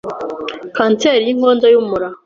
kanseri y’inkondo y’umura.